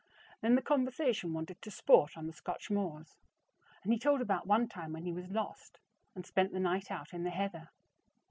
Then the conversation wandered to sport on the Scotch moors, and he told about one time when he was lost, and spent the night out in the heather.